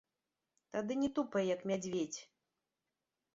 Тады не тупай, як мядзведзь!